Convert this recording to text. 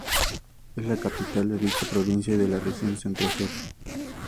Es la capital de dicha provincia y de la región Centro-Sud.